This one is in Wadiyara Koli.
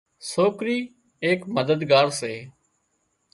سوڪرِي ايڪ مددگار سي